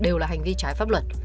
đều là hành vi trái pháp luật